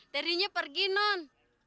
terinya pergi nun